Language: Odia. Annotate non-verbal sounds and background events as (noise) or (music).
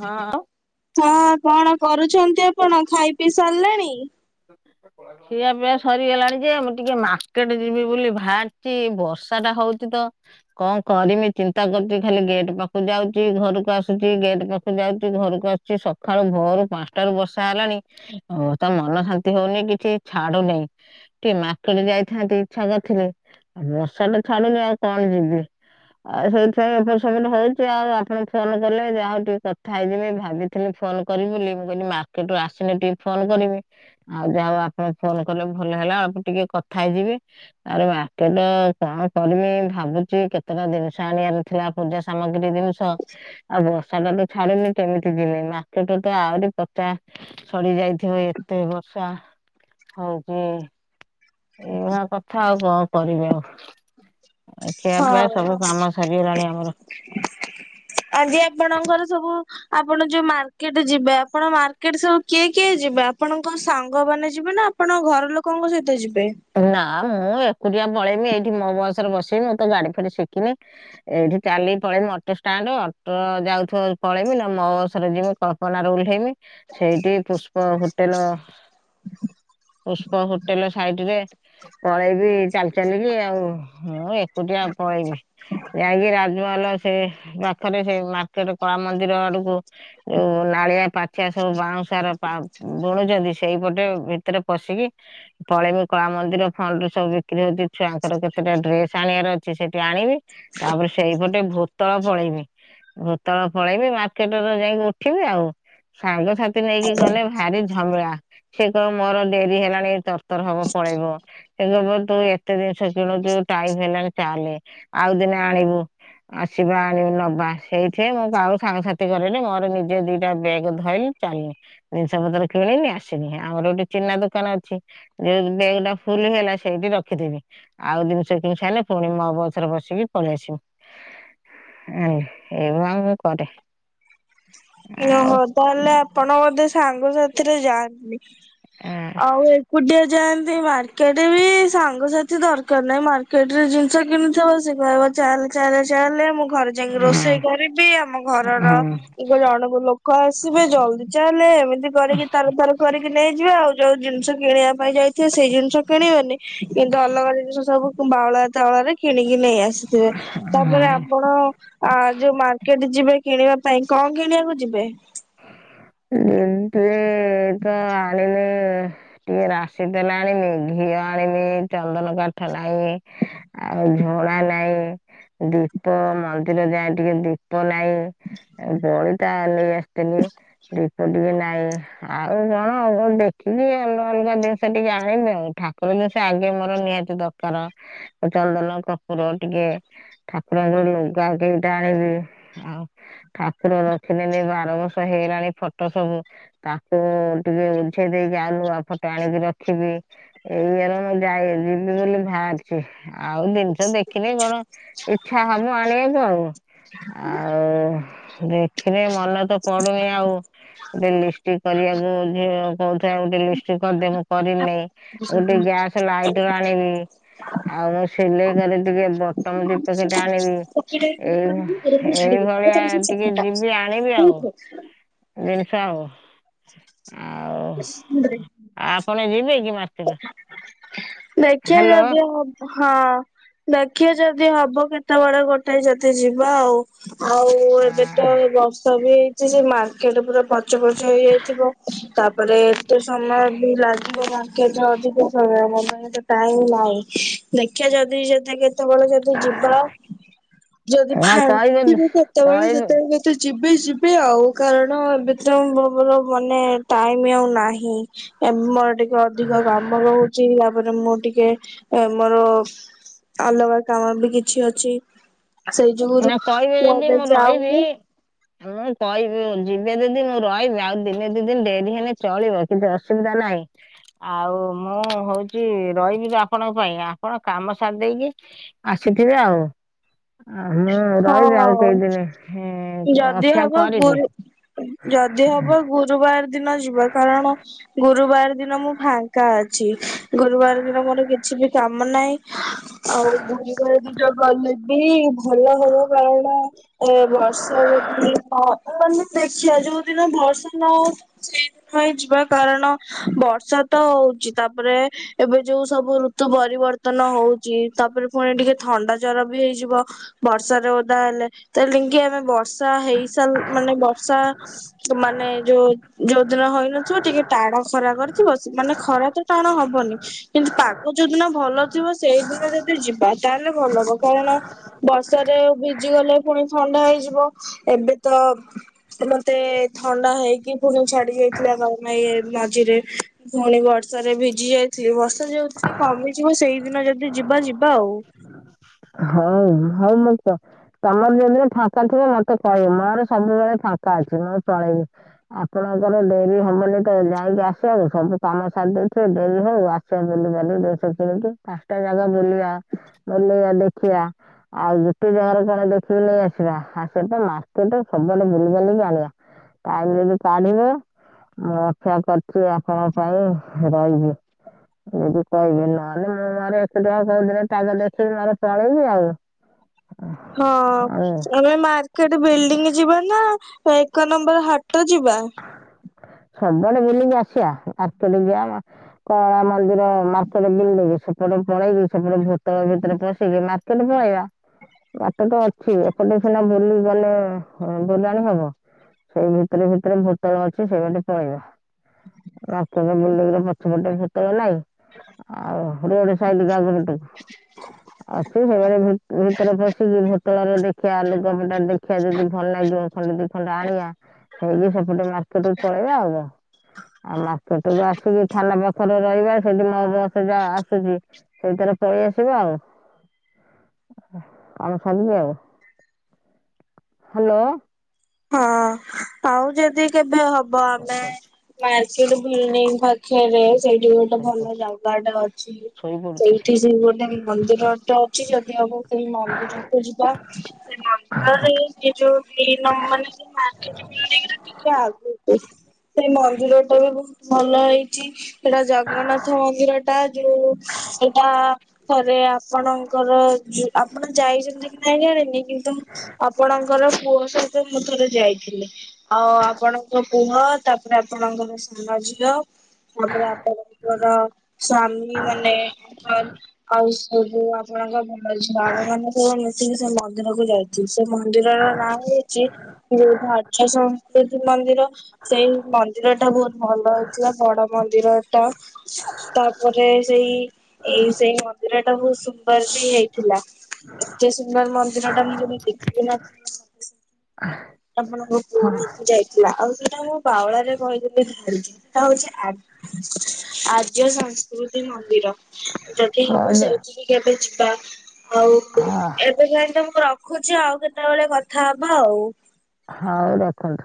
ହଁ। ହଁ କଣ କରୁଛନ୍ତି ଆପଣ ଖାଇ ପିଇ ସାରିଲେଣି। (unintelligible) ଖିଆ ପିଆ ସରିଗଲାଣି ଯେ ମୁଁ ଟିକେ ମାର୍କେଟ ଯିବି ବୋଲି ବାହାରିଛି ବର୍ଷା ଟା ହଉଛି ତ କଣ କରିମି ଚିନ୍ତା କରୁଛି ଖାଲି ଗେଟ୍ ପାଖକୁ ଯାଉଛି ଘରକୁ ଆସୁଛି ଗେଟ୍ ପାଖକୁ ଯାଉଛି ଘରକୁ ଆସୁ ଚି ସକାଳୁ ଭୋର ପାଞ୍ଚଟାରୁ ବର୍ଷା ହେଲାଣି ଆ ତା ମନ ସାନ୍ତି ହଉନି କିଛି ଛାଡୁନହିଁ। ଟିକେ ମାର୍କେଟ ଯାଇଥାନ୍ତି ଇଛା କରିଥିଲି ଆଉ ବର୍ଷା ତ ଛାଡୁନି ଆଉ କଣ ଯିବି। ଆଉ ସେଇଥିପାଇଁ ଏପଟ ସେପଟ ହଉଛି ଆଉ ଆପଣ ଫୋନ କଲେ ଯାହାହୋଉ ଟିକେ କଥା ହେଇଯିବି ଭାବି ଥିଲି ଫୋନ କରିବି ବୋଲି ମୁଁ କହିଲି ମାର୍କେଟରୁ ଆସିନେ ଟିକେ ଫୋନ କରିବି। ଆଉ ଯାହା ହୋଉ ଆପଣ ଫୋନ କଲେ ଭଲ ହେଲା ଆ ଟିକେ କଥା ହେଇଯିବି। ଆରେ ମାର୍କେଟ କଣ କରିବି ଭାବୁଛି କେତେଟା ଜିନିଷ ଆଣିବାର ଥିଲା ପୂଜା ସାମଗ୍ରୀ ଜିନିଷ। ଆଉ ବର୍ଷା ଟା ତ ଛାଡୁନି କେମିତି ଯିମି ମାର୍କେଟରୁ ତ ଆହୁରି ପଚାଶ ସରି ଯାଇଥିବ ଏ ଏତେ ବର୍ଷା ହଉଚି ଏଇଭଳିଆ କଥା କଥା ଆଉ କଣ କରିବି ଆଉ। ଖିଆ ହଁ। ପିଆ ସବୁ କାମ ସରିଗଲାଣି ଆମର। ଆଜି ଆପଣଙ୍କର ସବୁ ଆପଣ ଯୋଉ ମାର୍କେଟ ଯିବେ ଆପଣ ମାର୍କେଟ ସବୁ କିଏ କିଏ ଯିବେ ଆପଣଙ୍କ ସାଙ୍ଗମାନେ ଯିବେ ନା ଆପଣ ଘର ଲୋକଙ୍କ ସହିତ ଯିବେ? ନା ମୁଁ ଏକୁଟିଆ ପଳେଇବି ଏଇଠି ମୋ ବସ ରେ ବସିମି ମୁଁ ତ ଗାଡି ଫାଡି ଶିଖିନି। ଏଇଠି ଚାଲିିକି ପଳେଇମି ଅଟୋ ଷ୍ଟାଣ୍ଡ ଅଟୋ ଯାଉଥିବ ପଳେଇମି ନା ମୋ ବସରେ ଯିମି କଳ୍ପନାରେ ଓହ୍ଲେଇମି ସେଇଠି ପୁଷ୍ପ ହୋଟେଲ ପୁଷ୍ପ ହୋଟେଲ ସାଇଟରେ ପଳେଇବି ଚାଲି ଚାଲିକି ଆଉ ହଁ ଏକୁଟିଆ ଆଉ ପଳେଇବି। ଯାଇକି ରାଜମହଲ ସେ ପାଖରେ ସେ ମାର୍କେଟ କଳା ମନ୍ଦିର ଆଡକୁ ଉଁ ନାଳିଆ ପାଚଆ ସବୁ ବାଉଁଶାର ବୁଣୁଛନ୍ତି ସେଇପଟେ ଭିତରେ ପଶିକି ପଳେଇବ। କଳା ମନ୍ଦିର ଫଣ୍ଡୁ ସବୁ ବିକ୍ରି ହଉଛି ଛୁଆଙ୍କର କେତେଟା ଡ୍ରେସ ଆଣିବାର ଅଛି ସେଠି ଆଣିବି ତାପରେ ସେଇପଟେ ଭୂତଳ ପଳେଇବି। ଭୂତଳ ପଳେଇବି ମାର୍କେଟରେ ଯାଇକି ଉଠିବି ଆଉ। ସାଙ୍ଗସାଥି ନେଇକି ଗଲେ ଭାରି ଝମଳା ସେ କହିବ ମୋର ଡେରି ହେଲାଣି ତରତର ହବ। ପଳେଇବ। ସେ କବ ତୁ ଏତେ ଜିନିଷ କିଣୁଚୁ ଟାଇମ ହେଲାଣି ଚାଲେ ଆଉ ଦିନ ଆଣିବୁ। ଆସିବା ଆଣିବ ନବା ସେଇଠି ମୁଁ କାଉ ସାଙ୍ଗସାଥି କିଲି ମୋର ନିଜେ ଦିଟା ବ୍ୟାଗ୍ ଧଇଲି ଚାଲିନି ଜିନିଷ ପତ୍ର କିଣିନି ଆସିନି ଆମର ଗୋଟେ ଚିନା ଦୋକାନ ଅଛି ଯୋଉ ବ୍ୟାଗଟା ଫୁଲ ହେଲା ସେଇଠି ରଖିଦେବି। ଆଉ ଜିନିଷ କିଣି ସାରିଲେ ପୁଣି ମୋ ବଛରେ ବସିକି ପଳେଇ ଆସମି। ଆ ଏଇ କରେ (unintelligible) ଆଉ ଓହୋ ତାହେଲେ ଆପଣ ବୋଧେ ସାଙ୍ଗସାଥିରେ ଯାଆନ୍ତିନି? ତ ଆଉ ଏକୁଟିଆ ଯାଆନ୍ତି ମାର କେଟେ ବି ସାଙ୍ଗସଥି ଦରକାର ନାହିଁ ମାର୍କେଟରେ ଜିନିଷ କିଣିଥ ବ ସେ କହିବ ଚାଲେ ଚାଲେ ଚାଲେ ମୁଁ ଘରେ ଯାଇକି ରୋଷେଇ କରିବି ଆମ ଘରର ଜଣକୁ ଲୋକ ଆସିବେ ଜଲଦି ଚାଲେ ଏମିତି କରିକି ତାର ତାର କରି ନେଇଯିବା ଆଉ ଯଉଁ ଜିନିଷ କିଣିବା ପାଇଁ ଯାଇଥିବ ସେଇ ଜିନିଷ କିଣିବନି। କିନ୍ତୁ ଅଲଗା ଜିନିଷ ସବୁ ବାଉଳା ଚାଉଳରେ କିଣିକି ନେଇ ଆସିବ। ତାପରେ ଆପଣ ଯୋଉ ମାର୍କେଟ ଯିବେ କିଣିବା ପାଇଁ କଣ କିଣିବାକୁ ଯିବେ? (unintelligible) ଟିକେ ରାଶି ତେଲ ଆଣିଲି ଘିଅ ଆଣିଲି ଚନ୍ଦନ କାଠଟା ଆଣିଲି। ଆଉ ଝୁଣା ନାଇଁ ଦୀପ ମନ୍ଦିର ଯାଏ ଟିକେ ଦୀ ପ ନାହିଁ ବଳିତା ନେଇ ଆସିଥିଲି। ଦୀପ ଟିକେ ନାଇଁ ଆଉ କଣ କ ଦେଖିକି ଅଲଗା ଅଲଗା ଜିନିଷ ଟିକେ ଆଣ ଦେଉ ଠା ସେ ଆଗେ ମୋର ନିହାତି ଦରକାର ଚନ୍ଦନ କର୍ପୁର ଟିକେ। ଠାକୁରଙ୍କୁ ଲୁଗା ଦିଟା ଆଣିବି ଆଉ ଠାକୁର ରଖିଲେ ବି ବାର ବର୍ଷ ହେଇଲାଣି ଫଟୋ ସବୁ। ତାକୁ ଟିକେ ଉୁଝେଇ ଦେଇକି ଆଉନୁ ଆ ଫଟୋ ଆଣିକି ରଖିବି। (unintelligible) ଆଉ ଜିନିଷ ଦେଖିଲେ କଣ ଇଛା ହବ ଆଣିବାକୁ ଆଉ। ଆଉ ଦେଖିଲେ ମନ ତ ପଡୁନି ଆଉ। ଗୋଟେ ଲିଷ୍ଟ କରିବାକୁ ଝିଅ କହୁଥା ଗୋଟେ ଲି କରିଦେ ମୁଁ କରିି ନାଇ ଗୋଟେ ଗ୍ୟାସ ଲାଇ ଆଣିବି ଆଉ ମୁଁ ସିଲେଇ କରି ଟିକେ ତମ ଦୀପ ଦିଟା ଆଣିବି ଏଇ ଏଇଭଳିଆ ଟିକେ ଯିବି ଆଣିବି ଆଉ। (inaudible) ଜିଣିଷ ଆଉ। ଆଉ (inaudible) ଆପଣ ଯିବେ କି ମାର୍କେଟ? ଦେଖିବା ହ୍ୟାଲୋ ଯଦି ହ ହଁ ଦେଖିବା ଯଦି ହବ କେତେବେଳେ ଗୋଟେ ଯଦି ଯିବା ଆଉ। ଆଉ ଏବେ ତ ବର୍ଷା ବି ହେଇଛି ସେ ମାର୍କେଟ ପୁରା ପଚ ପଚ ହେଇଯାଇଥିବ ତାପରେ ଏତେ ସମୟ ବି ଲାଗିବ ବାକ ଅଧିକ ସମ ମୋ ପାଇଁ ତ ଟାଇମ ନାଇଁ ଦେଖିବା ଯଦି ଯେ କେତେବେଳେ ଯିବା ଯଦି ନା ଫାଙ୍କା କହିବେ ଥିବୁ କେତେବେଳେ କହିବେ ସେତେବେଳେ ତ ଯିବି ଯିବି ଆଉ କାରଣ ଏବେତ ଗଲେ ଟାଇମ ଆଉ ନାହିଁ। ମୋର ଟିକେ ଅଧିକ କାମ ରହୁଛି ତାପରେ ମୁଁ ଟିକେ ଏ ମୋର ଅଲଗା କାମ ବି କିଛି ଅଛି। ସେଇ ଯୁଗୁରୁ ନା କହିବେ ମୁ ଯଦି ଏବେ ମୁଁ ରହିବି ଯାଉନି। (unintelligible) ମୁଁ କହିବି ଦିନେ ଦିନେ ରହିବେ ଆଉ ଦିନେ ଦିନେ ଡେରି ହେଲେ ଚଳିବ କିଛି ଅସୁବିଧା ନାହିଁ। ଆଉ ମୁଁ ହଉଛି ରହିଯିବି ଆପଣଙ୍କ ପାଇଁ ଆପଣ କାମ ସାରି ଦେଇକି ଆସୁଥିବେ ଆଉ। ମୁଁ ରହିବି ଆଉ ହଁ କେଇଦିନ ଯଦି ଅପେକ୍ଷା ହବ କରିବି। ଗୁରୁ ଯଦି ହବ ଗୁରୁବାର ଦିନ ଯିବା କାରଣ ଗୁରୁବାର ଦିନ ମୁଁ ଫାଙ୍କା ଅଛି। ଗୁରୁବାର ଦିନ ମୋର କିଛି ବି କାମ ନାହିଁ। ଆଉ ଦୁୁରିବଳେ ଦୁଇ ଜଣ ଗଲେ ବି ଭଲ ହବ କାରଣ ଏ ବର୍ଷାରେ ହ ଦେଖିବା ଯୋଉଦିନ ବର୍ଷା ନହଉ ସେଇଦିନ ଯିବା କାରଣ ବର୍ଷା ତ ହଉଛି ତାପରେ ଏବେ ଯୋଉ ସବୁ ଋତୁ ପରିବର୍ତ୍ତନ ହଉଛି ତାପରେ ପୁଣି ଟିକେ ଥଣ୍ଡା ଜର ବି ହେଇଯିବ। ବର୍ଷାାରେ ଓଦା ହେଲେ ତେଣେ କି ଆମେ ବର୍ଷା ହେଇସାରୁ ମାନେ ବର୍ଷା ମାନେ ଯୋଉ ଯୋଉ ଦିନ ହଇନଥିବ ଟିକେ ଟାଣ ଖରା କରିଥିବ ମାନେ ଖରା ତ ଟାଣ ହବନି। କିନ୍ତୁ ପାଗ ଯୋଉଦିନ ଭଲ ଥିବ ସେଇଦିନ ଯଦି ଯିବା ତାହେଲେ ଭଲ ହବ। କାରଣ ବର୍ଷାରେ ଭିଜି ଗଲେ ପୁଣି ଥଣ୍ଡା ହେଇଯିବ, ଏବେ ତ ତ ମତେ ଥଣ୍ଡା ହେଇକି ପୁଣି ଛାଡି ଯାଇଥିଲା (unintelligible) ମଝିରେ ପୁଣି ବର୍ଷା ରେ ଭିଜି ଯାଇଥିଲି ବର୍ଷା ଯୋଉ ଦିନ କମିଯିବ ସେଇଦିନ ଯଦି ଯିବା ଯିବା ଆଉ। (unintelligible) ହଉ ହଉ ମ ତମର ଯୋଉଦିନ ଫାଙ୍କା ଥିବ ମତେ କହିବି ମୋର ସବୁବେଳେ ଫାଙ୍କା ଅଛି ମୁଁ ପଳେଇବି। ଆପଣଙ୍କର ଡେରି ହବନି ତ ଯାଇକି ଆସିବା କୁ ସବୁ କାମ ସାରିଦେଇଥିବେ ଡେରି ହଉ ଆସ। ସବୁ ବୁଲିବାଲି କି ଡ୍ରେସ କିଣିକି ପାଞ୍ଚଟା ଜାଗା ବୁଲିବା ବୁଲେଇବା ଦେଖିବା। ଆଉ ଗୋଟେ ଜାଗାରେ କଣ ଦେଖିକି ନେଇ ଆସିବା, ହାକେଟ୍ ମାର୍କେଟ ସବୁଆଡେ ବୁଲି ବାଲିକି ଆଣିବା। ଟାଇମରେ ଯଦି ଚାଲିବ ମୁଁ ଅପେକ୍ଷା କରିଛି ଆପଣଙ୍କ ପାଇଁ ରହିବି। ଯଦି କହିବ ନହେଲେ ମୁଁ ମୋର ଏକୁଟିଆ ଯୋଉଥରେ ତା ଗଲେ ସେ ମର ଚଲେଇନି ଆଉ। ହଁ ଆଉ ଆମେ ମା କେଟେ ବିଲ୍ଡିଂ ଯିବା ନା ଏକ ନମ୍ବର ହାଟ ଯିବା? ସବୁଆଡେ ବୁଲିକି ଆସିବା ହାଟ କୁ ଯିବା ମା କଳା ମନ୍ଦିର ମାର୍କେଟ ବୁଲକି ସେପଟେ ପଳେଇକି ସେପଟେ ଭ ତଳ ଭିତରେ ପଶିକି ମାର୍କେଟ ପଳେଇବା। ବାଟ ତ ଅଛି ଏପଟେ ସିନା ବୁଲି ଗଲେ ବୁଲାଣି ହବ, ସେଇ ଭିତରେ ଭି ଭରେ ଭୂତଳ ଅଛି ସେଇ ପଟେ ପଳେଇବ। (unintelligible) ପଛପଟେ ଭୂତଳ ନାଇଁ। ଆଉ ରୋଡ ସାଇଟ୍ ଟା ବୁଲୁଥିବୁ। ଅଛି ସେମାନେ ଭିତରେ ପଶିକି ଭୋଟଳରେ ଦେ ସାଲୁ କପଡା ଦେଖିବା ଯଦି ଭଲ ଲାଗିବ ଖଣ୍ଡେ ଦି ଖଣ୍ଡ ଆଣିବା। ହେଇକି ସେପଟେ ମାର୍କେଟୁ ପଳେଇବା ଆଉ କଣ, ଆଉ ମାର୍କେଟ ରୁ ଆସିକି ଥାନା ପାଖରେ ରହିବା ସେଠି ମୋ ବସ ଯା ଆସୁଛି ସେଇଥିରେ ପଳେଇ ଆସିବା ଆଉ। (unintelligible) ହ୍ୟାଲୋ ହଁ, ଆଉ ଯେଦି କେବେ ହବ ଆମେ ଶୋଇପଡୁଛି ମାର୍କେଟ୍ ବିଲ୍ଡିଂ ପାଖେରେ ସେଇଠି ଗୋଟେ ଭଲ ଶୋଇପଡୁଛି ଜାଗାଟେ ଅଛି, ସେଇଠି ସେ ଗୋଟେ ବି ମନ୍ଦିର ଅଛି ଯଦି (unintelligible) ସେଇ ମନ୍ଦିରକୁୁ ଯିବା, ସେ ମନ୍ଦିରରେ (unintelligible) ଯୋଉ (unintelligible) ନା ମାନେ ସେ ମାର୍କେଟ ବିଲ୍ଡିଂର ଟିକେ ଆଗୁକୁ ସେଇ ମନ୍ଦିର ଟା ବି ବହୁତ୍ ଭଲ ହେଇଚି। ସେଇଟା ଜଗନ୍ନାଥ ମନ୍ଦିର ଟା ଯୋଉ ସେଇଟା ଥରେ ଆପଣଙ୍କର ଆପଣ ଯାଇଚନ୍ତି କି ନାଇଁ ଜାଣିନି କିନ୍ତୁ ଆପଣଙ୍କର ପୁଅ ସହି ତ ମୁଁ ଥରେ ଯାଇଥିଲି, ଆଉ ଆପଣଙ୍କ ପୁଅ ତାପରେ ଆପଣଙ୍କର ସାନ ଝିଅ ତାପର ଆପଣଙ୍କର ସ୍ଵାମୀ ମାନେ (unintelligible) ସବୁ ଆପଣଙ୍କ (unintelligible) ଝିଅ ଆମେ ମାନେ ସବୁ ମିଶିକି ସେ ମନ୍ଦିରକୁ ଯାଇଚୁ। ସେ ମନ୍ଦିରର ନାଁ ହଉଚି ଯୋଉଠି (unintelligible) ସଂସ୍କୃତି ମନ୍ଦିର ସେଇ ମନ୍ଦିର ଟା ବହୁତ୍ ଭଲ ହେଇଥିଲା ବଡ ମନ୍ଦିର ଟା, ତାପରେ ସେଇ ଏଇ ସେଇ ମନ୍ଦିର ଟା ବହୁତ୍ ସୁନ୍ଦର୍ ବି ହେଇଥିଲା। ଏତେ ସୁନ୍ଦର୍ ମନ୍ଦିର ଟା ମୁଁ କେବେ ଦେଖିବି ବି ନଥିଲି। (inaudible) ଆପଣଙ୍କ ପୁଅ ହଁ ଯାଇଥିଲା ଆଉ ସେଟା ମୁଁ ବାଉଳାରେ କହିଦେଇଥିଲି (unintelligible) ଆଦ୍ୟ ସଂସ୍କୃତି ମନ୍ଦିର, ଯଦି ହଉ ହବ ଯା- ସେଇଠି କେବେ ଯିବା। ଆଉ ହଁ ଏବେ ଯାଏଁ ତ ମୁଁ ରଖୁଚି ଆଉ କେତେବେଳେ କଥା ହବା ଆଉ। ହଉ ରଖନ୍ତୁ।